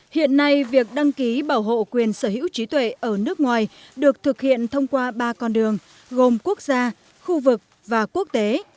hiện nay việc đăng ký bảo hộ quyền sở hữu trí tuệ ở nước ngoài được thực hiện thông qua ba con đường gồm quốc gia khu vực và quốc tế